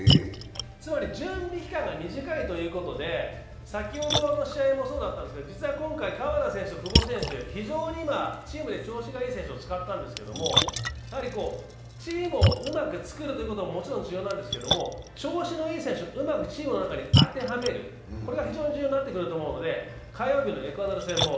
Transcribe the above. つまり準備期間が短いということで、先ほどの試合もそうでしたが実際今回、鎌田選手と久保選手、非常に今チームで調子がいい選手を使ったんですけど、チームをうまく作るということももちろん重要なんですけど調子のいい選手をうまくチームの中に当てはめる、これが非常に重要になってくると思うので、火曜日のエクアドル戦も